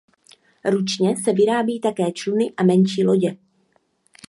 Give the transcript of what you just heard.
Ručně se vyrábí také čluny a menší lodě.